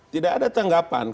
tidak ada tanggapan